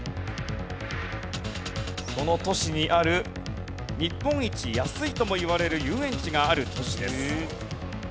その都市にある「日本一安い」ともいわれる遊園地がある都市です。